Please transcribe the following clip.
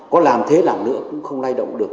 có làm thế làm nữa cũng không lay động được